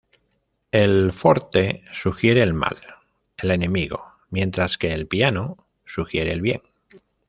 El "forte" sugiere el mal, el enemigo, mientras que el "piano" sugiere el bien.